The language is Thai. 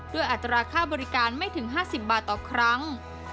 อัตราค่าบริการไม่ถึง๕๐บาทต่อครั้ง